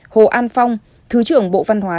hồ an phong thứ trưởng bộ văn hóa